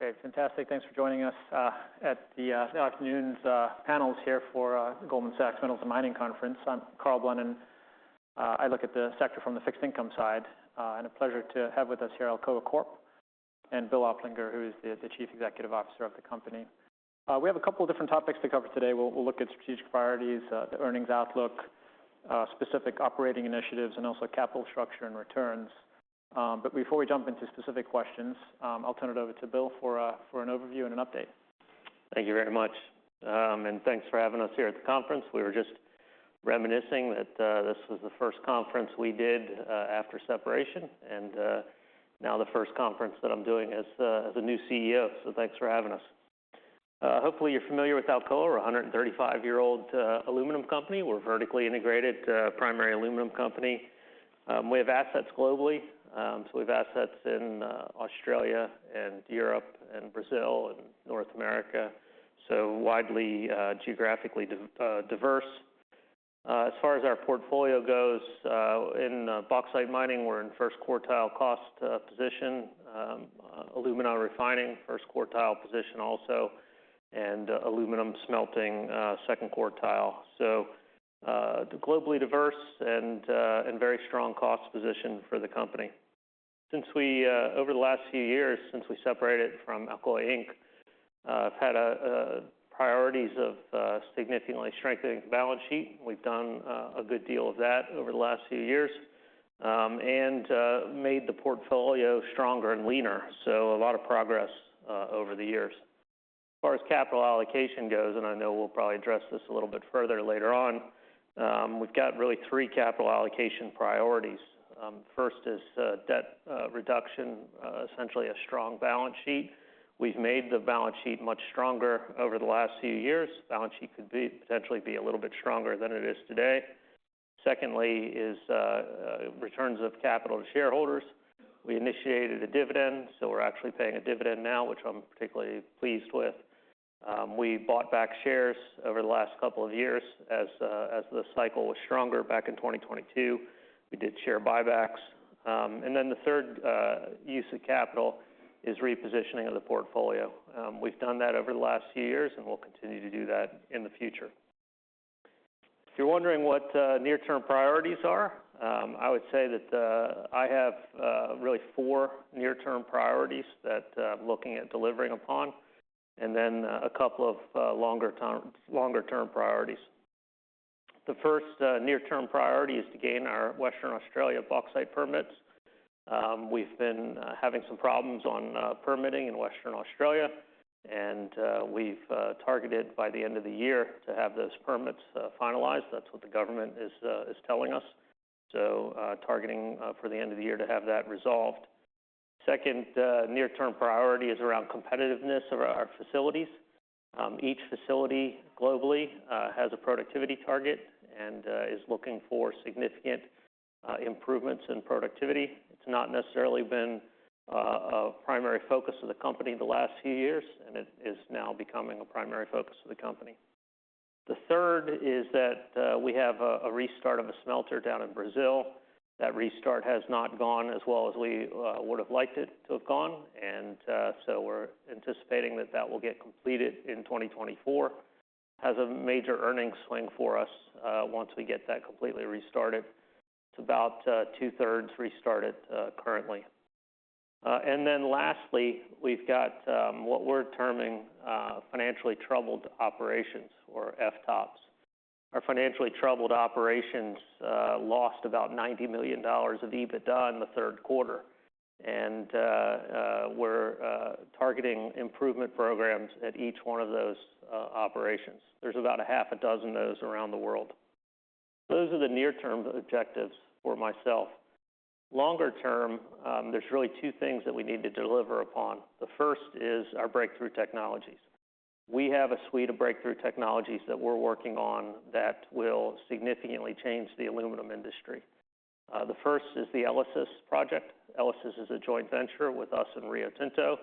Okay, fantastic. Thanks for joining us at this afternoon's panel here for Goldman Sachs Minerals and Mining Conference. I'm Karl Blunden. I look at the sector from the fixed income side, and it's a pleasure to have with us here Alcoa Corporation and Will Oplinger, who is the Chief Executive Officer of the company. We have a couple of different topics to cover today. We'll look at strategic priorities, the earnings outlook, specific operating initiatives, and also capital structure and returns. But before we jump into specific questions, I'll turn it over to Will for an overview and an update. Thank you very much. And thanks for having us here at the conference. We were just reminiscing that this was the first conference we did after separation, and now the first conference that I'm doing as a new CEO. So thanks for having us. Hopefully, you're familiar with Alcoa. We're a 135-year-old aluminum company. We're a vertically integrated primary aluminum company. We have assets globally. So we have assets in Australia and Europe and Brazil and North America, so widely geographically diverse. As far as our portfolio goes, in bauxite mining, we're in a first-quartile cost position. Alumina refining, first quartile position also, and aluminum smelting, second quartile. So globally diverse and very strong cost position for the company. Since we over the last few years, since we separated from Alcoa Inc., have had priorities of significantly strengthening the balance sheet. We've done a good deal of that over the last few years and have made the portfolio stronger and leaner, so a lot of progress over the years. As far as capital allocation goes, and I know we'll probably address this a little bit further later on, we've got really three capital allocation priorities. First is debt reduction, essentially a strong balance sheet. We've made the balance sheet much stronger over the last few years. Balance sheet could potentially be a little bit stronger than it is today. Secondly is returning capital to shareholders. We initiated a dividend, so we're actually paying a dividend now, which I'm particularly pleased with. We bought back shares over the last couple of years. As the cycle was stronger back in 2022, we did share buybacks. And then the third use of capital is repositioning of the portfolio. We've done that over the last few years, and we'll continue to do that in the future. If you're wondering what our near-term priorities are, I would say that I have really four near-term priorities that I'm looking at delivering upon, and then a couple of longer-term priorities. The first near-term priority is to gain our Western Australia bauxite permits. We've been having some problems permitting in Western Australia, and we've targeted by the end of the year to have those permits finalized. That's what the government is telling us, so targeting for the end of the year to have that resolved. Second near-term priority is around competitiveness of our facilities. Each facility globally has a productivity target and is looking for significant improvements in productivity. It hasn't necessarily been a primary focus of the company over the last few years, and it is now becoming a primary focus of the company. The third is that we have a restart of a smelter down in Brazil. That restart has not gone as well as we would have liked it to have gone. And so we're anticipating that it will get completed in 2024. Has a major earnings swing for us once we get that completely restarted. It's about two-thirds restarted currently. And then lastly, we've got what we're terming financially troubled operations or FTOs. Our financially troubled operations lost about $90 million of EBITDA in the third quarter, and we're targeting improvement programs at each one of those operations. There are about half a dozen of those around the world. Those are the near-term objectives for myself. Longer term, there's really two things that we need to deliver upon. The first is our breakthrough technologies. We have a suite of breakthrough technologies that we're working on that will significantly change the aluminum industry. The first is the ELYSIS project. ELYSIS is a joint venture with us and Rio Tinto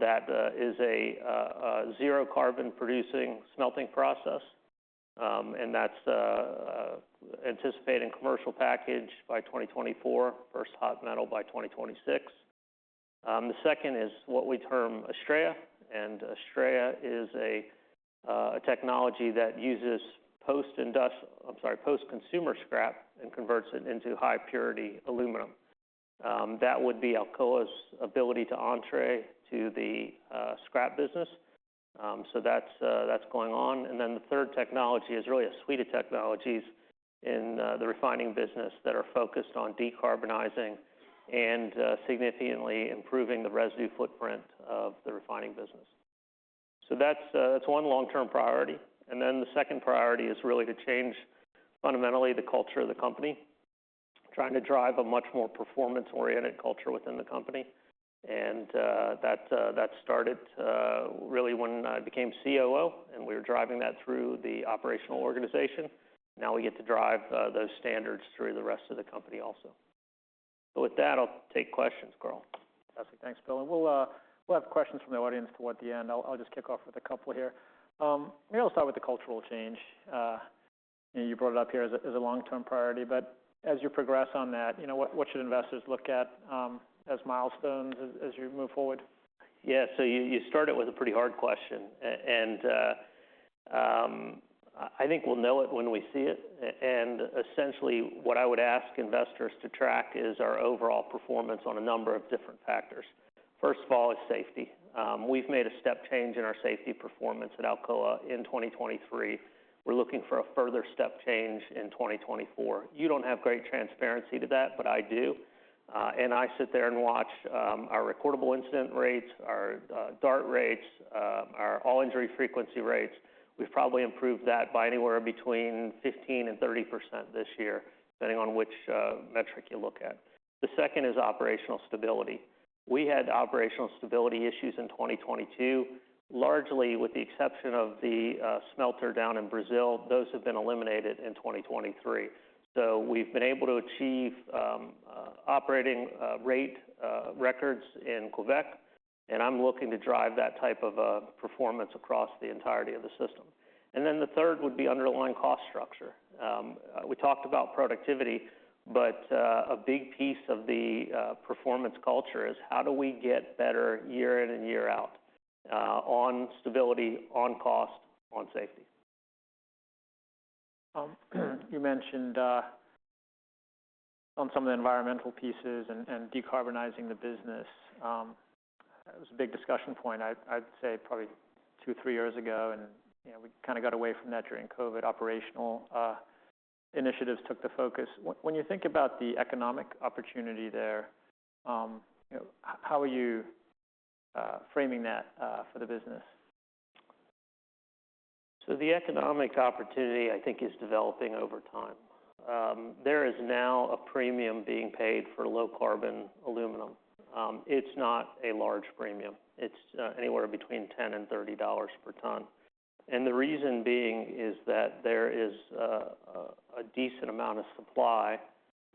that is a zero carbon producing smelting process. And that's anticipating a commercial package by 2024, first hot metal by 2026. The second is what we term Astraea, and Astraea is a technology that uses post—I'm sorry, post-consumer scrap and converts it into high purity aluminum. That would be Alcoa's ability to enter the scrap business. So that's going on. And then the third technology is really a suite of technologies in the refining business that are focused on decarbonizing and significantly improving the residue footprint of the refining business. So that's one long-term priority. And then the second priority is really to change fundamentally the culture of the company, trying to drive a much more performance-oriented culture within the company. And that started really when I became COO, and we were driving that through the operational organization. Now we get to drive those standards throughout the rest of the company also. So with that, I'll take questions, Karl. Thanks, Will. And we'll have questions from the audience toward the end. I'll just kick off with a couple here. Maybe I'll start with the cultural change. You brought it up here as a long-term priority, but as you progress on that, you know, what should investors look at as milestones as you move forward? Yeah, so you started with a pretty hard question. I think we'll know it when we see it. And essentially, what I would ask investors to track is our overall performance on a number of different factors. First of all, is safety. We've made a step change in our safety performance at Alcoa in 2023. We're looking for a further step change in 2024. You don't have great transparency into that, but I do, and I sit there and watch our recordable incident rates, our DART rates, our all-injury frequency rates. We've probably improved that by anywhere between 15%-30% this year, depending on which metric you look at. The second is operational stability. We had operational stability issues in 2022, largely with the exception of the smelter down in Brazil. Those have been eliminated in 2023. So we've been able to achieve operating rate records in Quebec, and I'm looking to drive that type of performance across the entirety of the system. And then the third would be underlying cost structure. We talked about productivity, but a big piece of the performance culture is how do we get better year in and year out on stability, on cost, on safety. You mentioned on some of the environmental pieces and decarbonizing the business. It was a big discussion point. I'd say probably 2-3 years ago, and you know, we kind of got away from that during COVID. Operational initiatives took the focus. When you think about the economic opportunity there, you know, how are you framing that for the business? So the economic opportunity, I think, is developing over time. There is now a premium being paid for low-carbon aluminum. It's not a large premium. It's anywhere between $10 and $30 per ton. And the reason being is that there is a decent amount of supply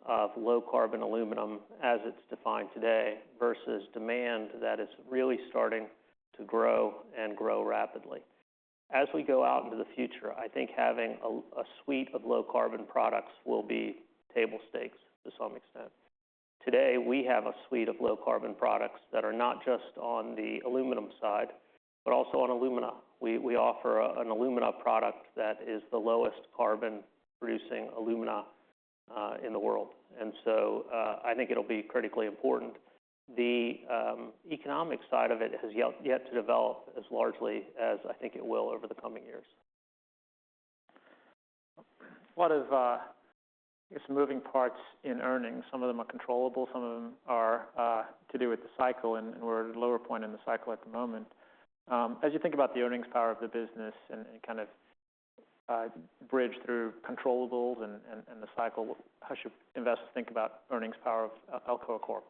of low-carbon aluminum as it's defined today, versus demand that is really starting to grow and grow rapidly. As we go out into the future, I think having a suite of low-carbon products will be table stakes to some extent. Today, we have a suite of low-carbon products that are not just on the aluminum side, but also on alumina. We offer an alumina product that is the lowest carbon-producing alumina in the world. And so, I think it'll be critically important. The economic side of it has yet to develop as largely as I think it will over the coming years. A lot of, I guess, moving parts in earnings. Some of them are controllable, some of them are to do with the cycle, and we're at a lower point in the cycle at the moment. As you think about the earnings power of the business and kind of bridge through controllables and the cycle, how should investors think about earnings power of Alcoa Corp?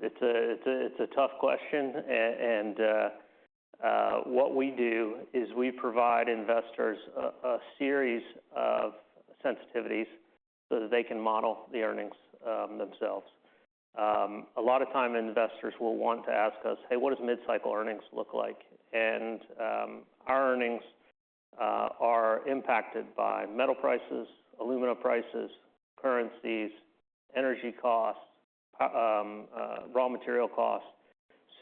It's a tough question. What we do is we provide investors a series of sensitivities so that they can model the earnings themselves. A lot of time investors will want to ask us, "Hey, what does mid-cycle earnings look like?" Our earnings are impacted by metal prices, alumina prices, currencies, energy costs, raw material costs.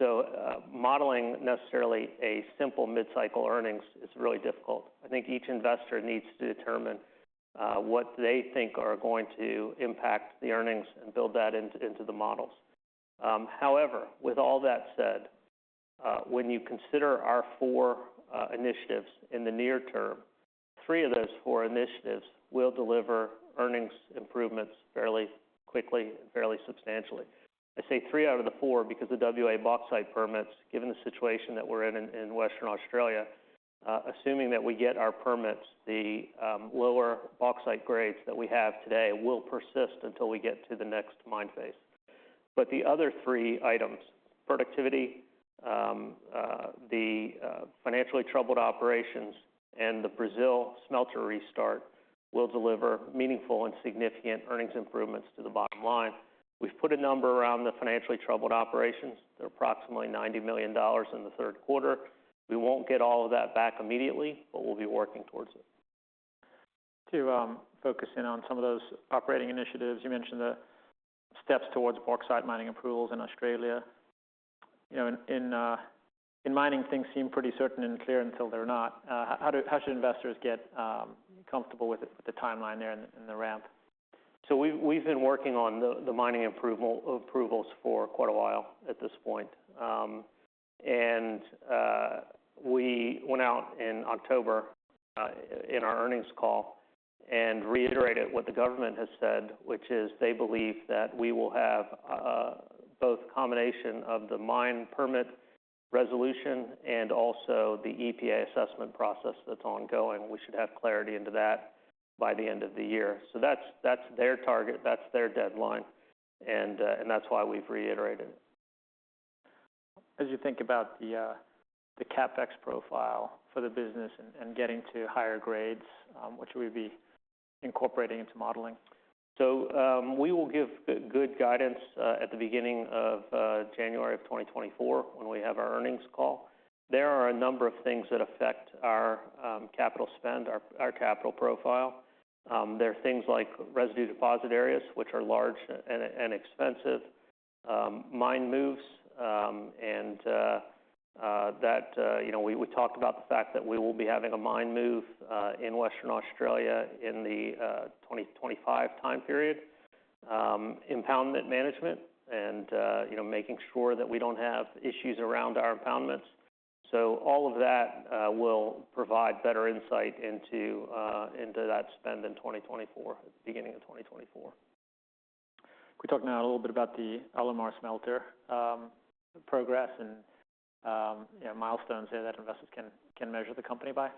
So, modeling necessarily a simple mid-cycle earnings is really difficult. I think each investor needs to determine what they think are going to impact the earnings and build that into the models. However, with all that said, when you consider our 4 initiatives in the near term, 3 of those 4 initiatives will deliver earnings improvements fairly quickly and fairly substantially. I say three out of the four because the WA bauxite permits, given the situation that we're in, in Western Australia, assuming that we get our permits, the lower bauxite grades that we have today will persist until we get to the next mine phase. But the other three items, productivity, the financially troubled operations, and the Brazil smelter restart, will deliver meaningful and significant earnings improvements to the bottom line. We've put a number around the financially troubled operations. They're approximately $90 million in the third quarter. We won't get all of that back immediately, but we'll be working towards it. To focus in on some of those operating initiatives, you mentioned the steps towards bauxite mining approvals in Australia. You know, in mining, things seem pretty certain and clear until they're not. How should investors get comfortable with the timeline there and the ramp? So we've been working on the mining approvals for quite a while at this point. We went out in October in our earnings call and reiterated what the government has said, which is they believe that we will have both combination of the mine permit resolution and also the EPA assessment process that's ongoing. We should have clarity to that by the end of the year. So that's their target, that's their deadline, and that's why we've reiterated. As you think about the CapEx profile for the business and getting to higher grades, what should we be incorporating into modeling? ...So, we will give good guidance at the beginning of January of 2024, when we have our earnings call. There are a number of things that affect our capital spend, our capital profile. There are things like residue deposit areas, which are large and expensive. Mine moves, and you know, we talked about the fact that we will be having a mine move in Western Australia in the 2025 time period. Impoundment management and, you know, making sure that we don't have issues around our impoundments. So all of that will provide better insight into that spend in 2024, beginning of 2024. Can we talk now a little bit about the Alumar smelter, progress and, you know, milestones there that investors can measure the company by?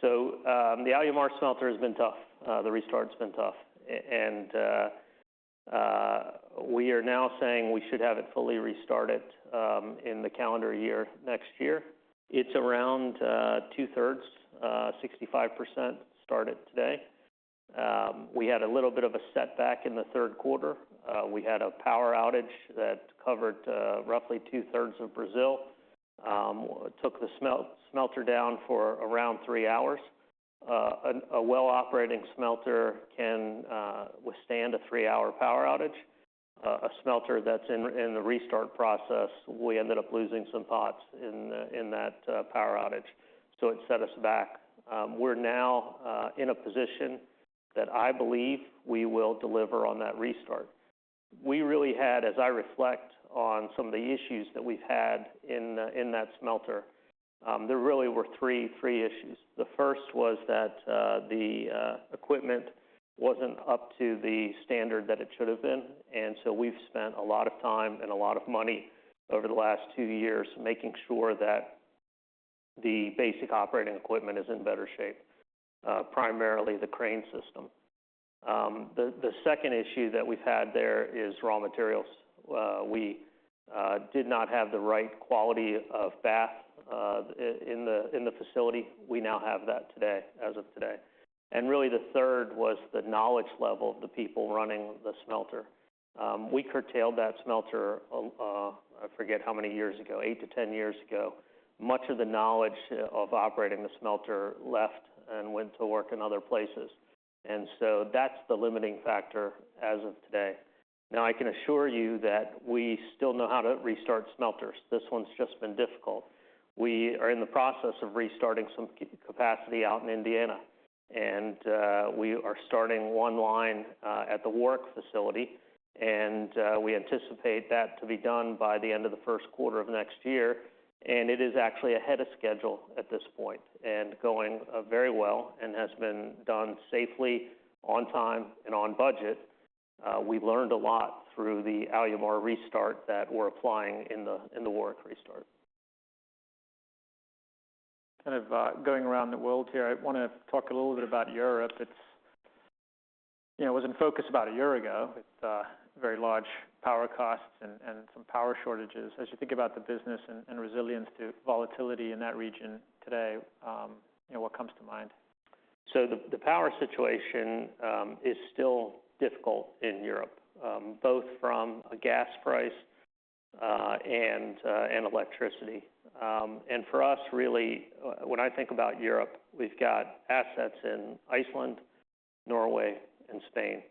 So, the Alumar smelter has been tough. The restart's been tough. And, we are now saying we should have it fully restarted, in the calendar year next year. It's around two-thirds, or 65%, restarted today. We had a little bit of a setback in the third quarter. We had a power outage that covered, roughly two-thirds of Brazil. Took the smelter down for around three hours. A well-operated smelter can withstand a three-hour power outage. A smelter that's in the restart process, we ended up losing some pots in that power outage, so it set us back. We're now in a position that I believe we will deliver on that restart. We really had, as I reflect on some of the issues that we've had in that smelter, there really were three issues. The first was that, the equipment wasn't up to the standard that it should have been, and so we've spent a lot of time and a lot of money over the last two years making sure that the basic operating equipment is in better shape, primarily the crane system. The second issue that we've had there is raw materials. We did not have the right quality of bath in the facility. We now have that today, as of today. And really, the third was the knowledge level of the people running the smelter. We curtailed that smelter, I forget how many years ago, 8-10 years ago. Much of the knowledge of operating the smelter left and went to work in other places. And so that's the limiting factor as of today. Now, I can assure you that we still know how to restart smelters. This one's just been difficult. We are in the process of restarting some capacity out in Indiana, and we are starting one line at the Warrick facility, and we anticipate that to be done by the end of the first quarter of next year. And it is actually ahead of schedule at this point and going very well and has been done safely, on time, and on budget. We learned a lot through the Alumar restart that we're applying in the Warrick restart. Kind of, going around the world here. I want to talk a little bit about Europe. It's, you know, was in focus about a year ago, with, very large power costs and, and some power shortages. As you think about the business and, and resilience to volatility in that region today, you know, what comes to mind? So the power situation is still difficult in Europe, both from a gas price and electricity. And for us, really, when I think about Europe, we've got assets in Iceland, Norway, and Spain.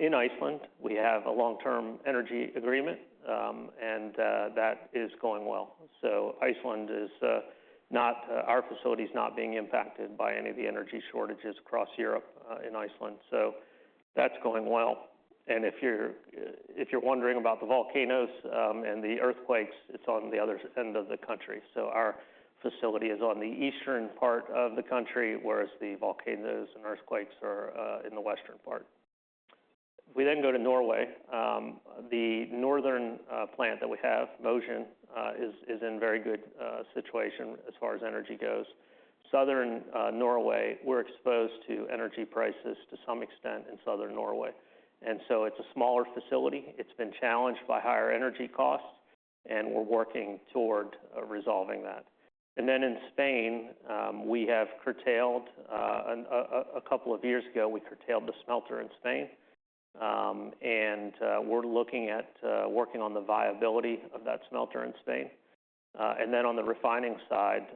In Iceland, we have a long-term energy agreement, and that is going well. So Iceland, our facility is not being impacted by any of the energy shortages across Europe in Iceland, so that's going well. And if you're wondering about the volcanoes and the earthquakes, it's on the other end of the country. So our facility is on the eastern part of the country, whereas the volcanoes and earthquakes are in the western part. We then go to Norway. The northern plant we have in Mo i Rana is in a very good situation as far as energy goes. Southern Norway, we're exposed to energy prices to some extent in southern Norway, and so it's a smaller facility. It's been challenged by higher energy costs, and we're working toward resolving that. And then in Spain, we have curtailed a couple of years ago, we curtailed the smelter in Spain. And we're looking at working on the viability of that smelter in Spain. And then on the refining side,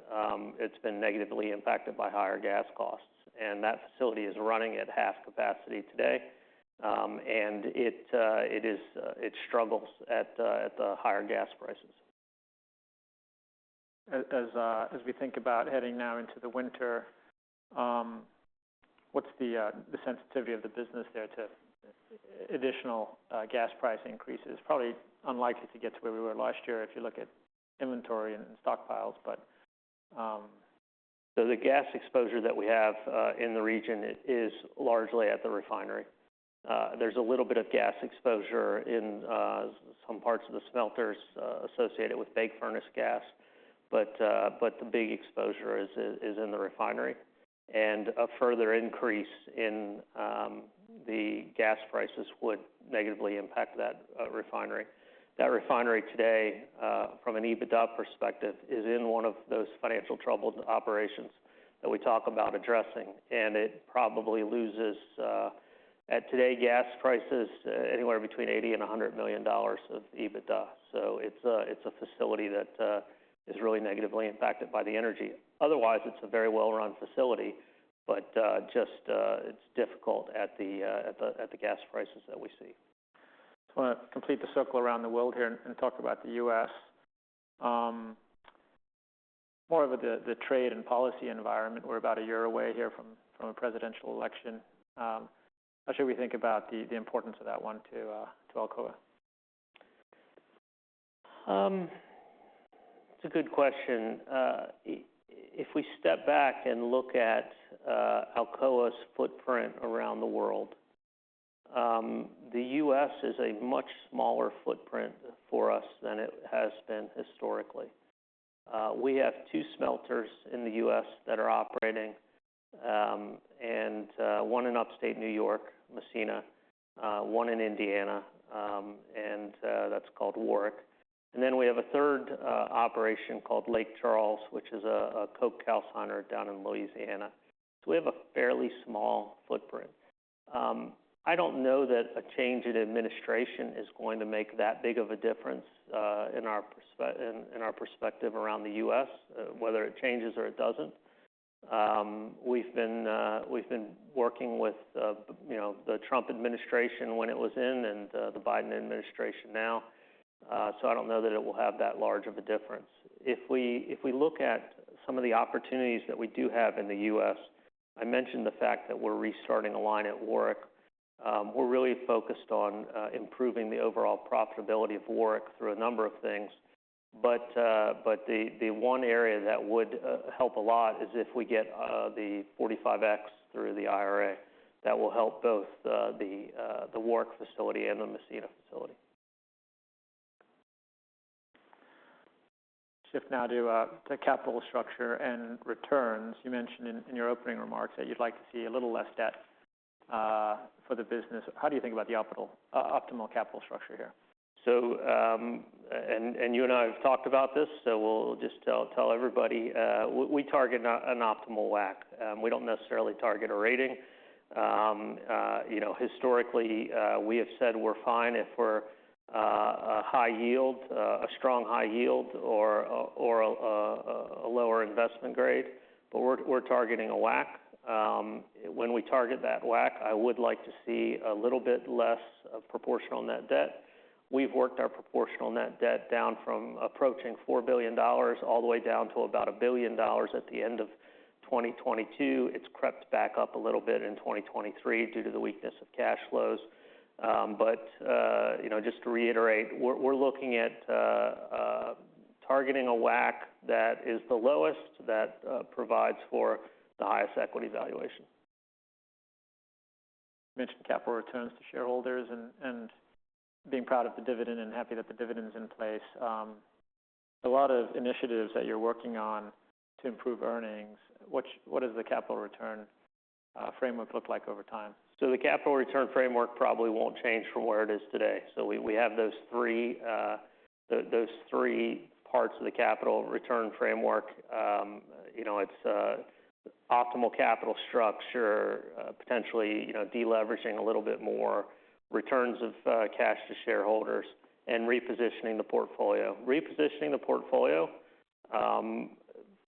it's been negatively impacted by higher gas costs, and that facility is running at half capacity today. And it struggles at the higher gas prices. As we think about heading now into the winter, what's the, the sensitivity of the business there to additional gas price increases? Probably unlikely to get to where we were last year if you look at inventory and stockpiles, but- So the gas exposure that we have in the region is largely at the refinery. There's a little bit of gas exposure in some parts of the smelters associated with bake furnace gas. But the big exposure is in the refinery. And a further increase in the gas prices would negatively impact that refinery. That refinery today from an EBITDA perspective is in one of those financially troubled operations that we talk about addressing, and it probably loses at today's gas prices anywhere between $80 million and $100 million of EBITDA. So it's a facility that is really negatively impacted by the energy. Otherwise, it's a very well-run facility, but just it's difficult at the gas prices that we see. I just wanna complete the circle around the world here and talk about the U.S. More of the trade and policy environment. We're about a year away here from a presidential election. How should we think about the importance of that one to Alcoa? It's a good question. If we step back and look at Alcoa's footprint around the world, the U.S. is a much smaller footprint for us than it has been historically. We have two smelters in the U.S. that are operating, and one in upstate New York, Massena, one in Indiana, and that's called Warrick. And then we have a third operation called Lake Charles, which is a coke calciner down in Louisiana. So we have a fairly small footprint. I don't know that a change in administration is going to make that big of a difference in our perspective around the U.S., whether it changes or it doesn't. We've been working with, you know, the Trump administration when it was in, and the Biden administration now, so I don't know that it will have that large a difference. If we look at some of the opportunities that we do have in the U.S., I mentioned the fact that we're restarting a line at Warrick. We're really focused on improving the overall profitability of Warrick through a number of things. But the one area that would help a lot is if we get the 45X through the IRA, that will help both the Warrick facility and the Massena facility. Shift now to capital structure and returns. You mentioned in your opening remarks that you'd like to see a little less debt for the business. How do you think about the optimal capital structure here? So, and you and I have talked about this, so we'll just tell everybody. We target an optimal WACC. We don't necessarily target a rating. You know, historically, we have said we're fine if we're a high yield, a strong high yield or a lower investment grade, but we're targeting a WACC. When we target that WACC, I would like to see a little bit less of proportional net debt. We've worked our proportional net debt down from approaching $4 billion all the way down to about $1 billion at the end of 2022. It's crept back up a little bit in 2023 due to the weakness of cash flows. But, you know, just to reiterate, we're looking at targeting a WACC that is the lowest, that provides for the highest equity valuation. You mentioned capital returns to shareholders and being proud of the dividend and happy that the dividend is in place. A lot of initiatives that you're working on to improve earnings. What does the capital return framework look like over time? So the capital return framework probably won't change from where it is today. So we have those three parts of the capital return framework. You know, it's optimal capital structure, potentially, you know, deleveraging a little bit more, returns of cash to shareholders, and repositioning the portfolio. Repositioning the portfolio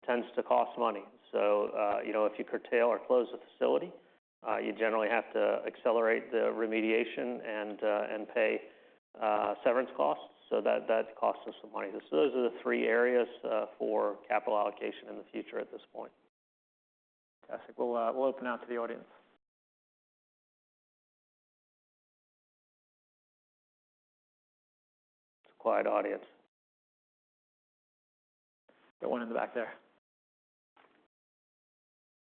tends to cost money. So, you know, if you curtail or close a facility, you generally have to accelerate the remediation and pay severance costs, so that costs us some money. So those are the three areas for capital allocation in the future at this point. Fantastic. We'll, we'll open out to the audience. It's a quiet audience. Got one in the back there.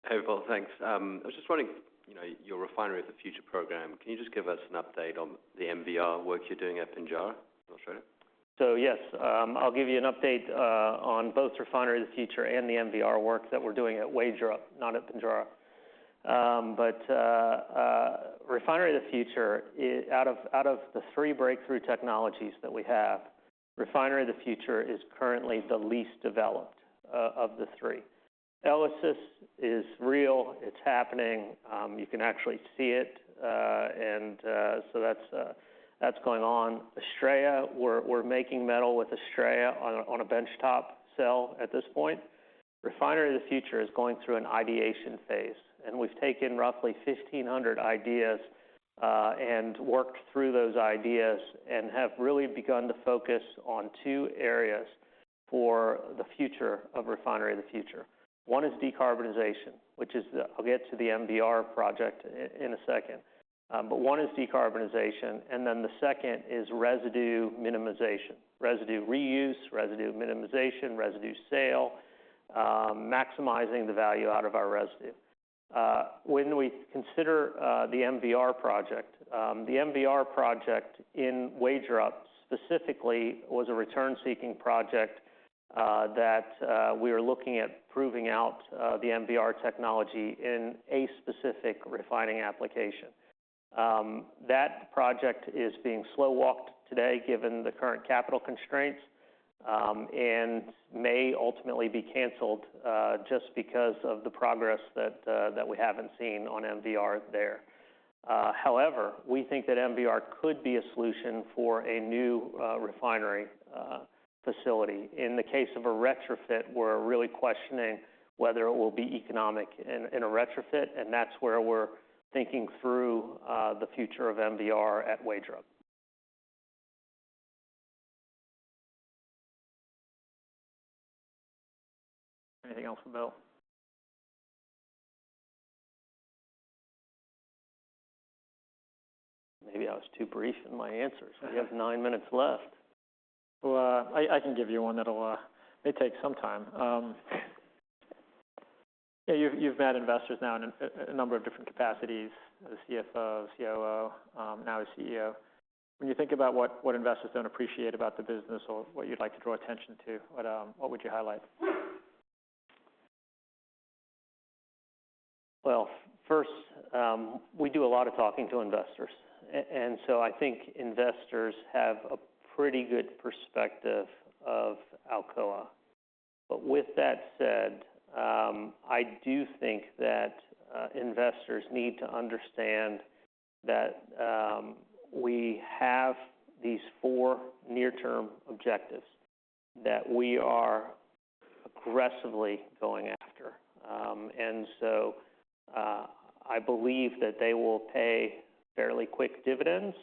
Hey, Will, thanks. I was just wondering, you know, your Refinery of the Future program, can you just give us an update on the MVR work you're doing at Pinjarra in Australia? So, yes, I'll give you an update on both Refinery of the Future and the MVR work that we're doing at Wagerup, not at Pinjarra. But Refinery of the Future is out of the three breakthrough technologies that we have, Refinery of the Future is currently the least developed of the three. ELYSIS is real. It's happening. You can actually see it, and so that's going on. Astraea, we're making metal with Astraea on a benchtop cell at this point. Refinery of the Future is going through an ideation phase, and we've taken roughly 1,500 ideas and worked through those ideas and have really begun to focus on two areas for the future of Refinery of the Future. One is decarbonization, which is the... I'll get to the MVR project in a second. But one is decarbonization, and then the second is residue minimization, residue reuse, residue minimization, residue sale, maximizing the value out of our residue. When we consider the MVR project, the MVR project in Wagerup, specifically, was a return-seeking project that we are looking at proving out the MVR technology in a specific refining application. That project is being slow-walked today, given the current capital constraints. And may ultimately be canceled just because of the progress that we haven't seen on MVR there. However, we think that MVR could be a solution for a new refinery facility. In the case of a retrofit, we're really questioning whether it will be economic in a retrofit, and that's where we're thinking through the future of MVR at Wagerup. Anything else, Will? Maybe I was too brief in my answers. We have nine minutes left. Well, I can give you one that may take some time. You've met investors now in a number of different capacities, as a CFO, a COO, now a CEO. When you think about what investors don't appreciate about the business or what you'd like to draw attention to, what would you highlight? Well, first, we do a lot of talking to investors. And so I think investors have a pretty good perspective of Alcoa. But with that said, I do think that investors need to understand that we have these four near-term objectives that we are aggressively going after. And so I believe that they will pay fairly quick dividends,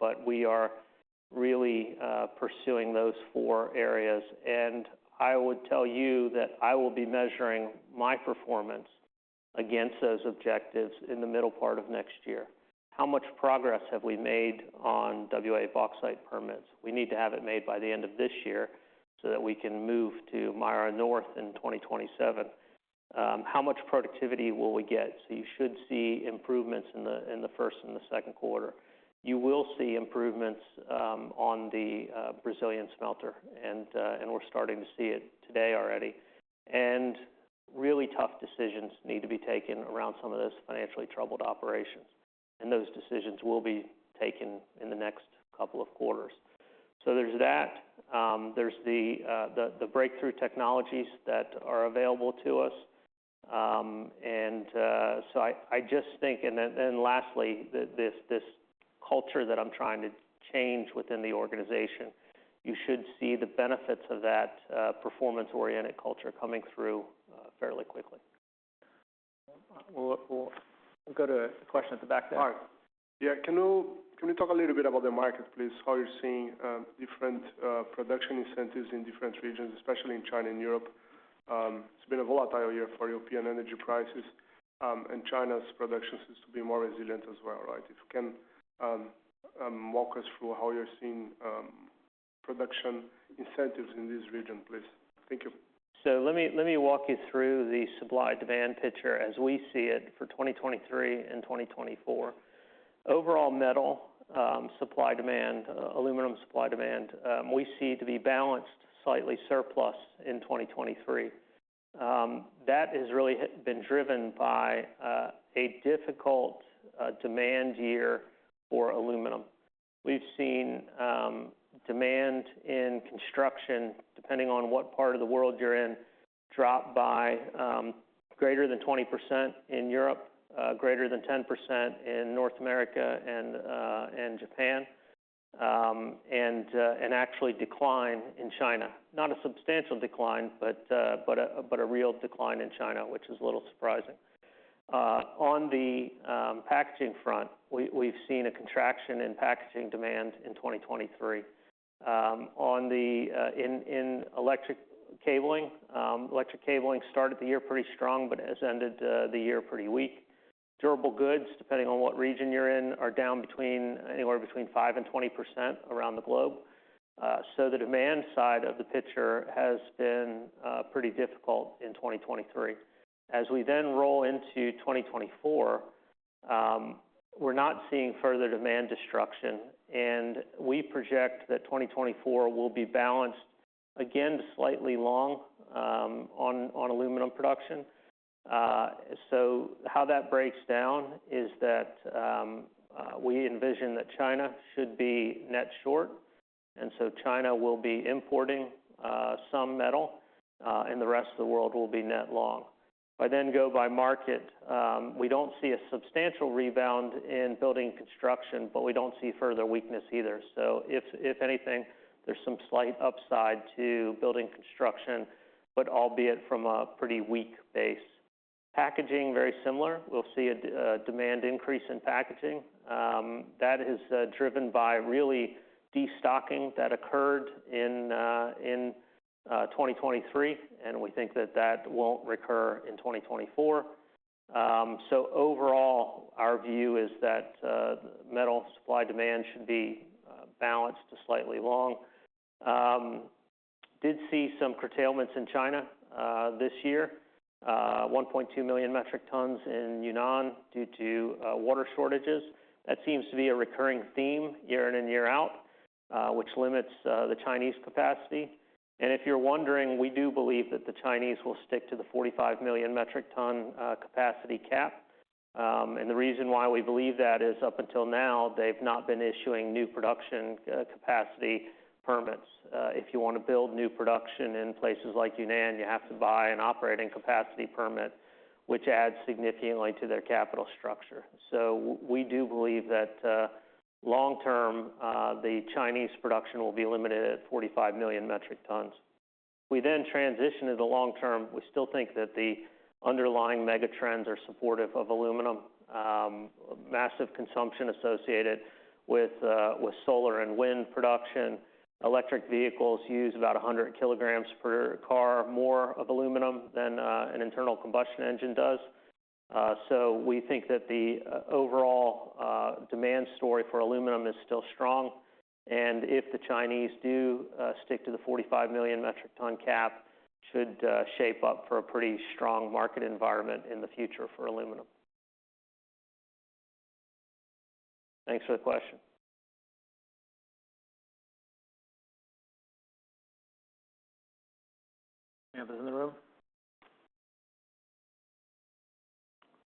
but we are really pursuing those four areas. And I would tell you that I will be measuring my performance against those objectives in the middle part of next year. How much progress have we made on WA bauxite permits? We need to have it made by the end of this year so that we can move to Myara North in 2027. How much productivity will we get? So you should see improvements in the first and the second quarter. You will see improvements on the Brazilian smelter, and we're starting to see it today already. Really tough decisions need to be taken around some of those financially troubled operations, and those decisions will be taken in the next couple of quarters. So there's that. There's the breakthrough technologies that are available to us. And so I just think... And then lastly, this culture that I'm trying to change within the organization, you should see the benefits of that performance-oriented culture coming through fairly quickly. We'll go to a question at the back there. All right. Yeah. Can you talk a little bit about the market, please? How are you seeing different production incentives in different regions, especially in China and Europe? It's been a volatile year for European energy prices, and China's production seems to be more resilient as well, right? If you can walk us through how you're seeing production incentives in this region, please. Thank you. So let me walk you through the supply-demand picture as we see it for 2023 and 2024. Overall, metal supply-demand, aluminum supply-demand, we see to be balanced, slightly surplus in 2023. That has really been driven by a difficult demand year for aluminum. We've seen demand in construction, depending on what part of the world you're in, drop by greater than 20% in Europe, greater than 10% in North America and Japan. And actually decline in China. Not a substantial decline, but a real decline in China, which is a little surprising. On the packaging front, we've seen a contraction in packaging demand in 2023. On the... In electric cabling, electric cabling started the year pretty strong, but has ended the year pretty weak. Durable goods, depending on what region you're in, are down anywhere between 5%-20% around the globe. So the demand side of the picture has been pretty difficult in 2023. As we then roll into 2024, we're not seeing further demand destruction, and we project that 2024 will be balanced again, slightly long on aluminum production. So how that breaks down is that we envision that China should be net short, and so China will be importing some metal, and the rest of the world will be net long. If I then go by market, we don't see a substantial rebound in building construction, but we don't see further weakness either. So if anything, there's some slight upside to building construction, but albeit from a pretty weak base. Packaging, very similar. We'll see a demand increase in packaging. That is driven by really destocking that occurred in 2023, and we think that won't recur in 2024. So overall, our view is that metal supply-demand should be balanced to slightly long. Did see some curtailments in China this year, 1.2 million metric tons in Yunnan due to water shortages. That seems to be a recurring theme year in and year out, which limits the Chinese capacity. And if you're wondering, we do believe that the Chinese will stick to the 45 million metric ton capacity cap. And the reason why we believe that is, up until now, they've not been issuing new production capacity permits. If you want to build new production in places like Yunnan, you have to buy an operating capacity permit, which adds significantly to their capital structure. So we do believe that, long term, the Chinese production will be limited at 45 million metric tons. We then transition to the long term. We still think that the underlying megatrends are supportive of aluminum. Massive consumption associated with solar and wind production. Electric vehicles use about 100 kilograms per car, more of aluminum than an internal combustion engine does. We think that the overall demand story for aluminum is still strong, and if the Chinese do stick to the 45 million metric ton cap, should shape up for a pretty strong market environment in the future for aluminum. Thanks for the question. Any others in the room?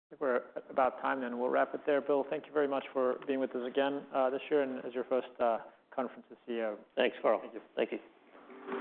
I think we're at about time, then. We'll wrap it there. Will, thank you very much for being with us again, this year and as your first, conference as CEO. Thanks, Karl. Thank you. Thank you.